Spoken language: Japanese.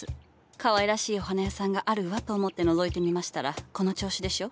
かわいらしいお花屋さんがあるわと思ってのぞいてみましたらこの調子でしょ。